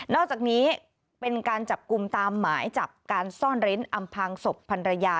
อกจากนี้เป็นการจับกลุ่มตามหมายจับการซ่อนเร้นอำพังศพพันรยา